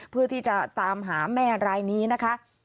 เพื่อที่จะตามหาแม่รายนี้นะคะ